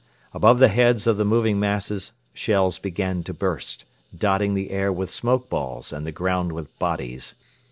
Above the heads of the moving masses shells began to burst, dotting the air with smoke balls and the ground with bodies.